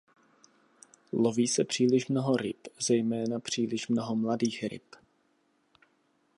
Loví se příliš mnoho ryb, zejména příliš mnoho mladých ryb.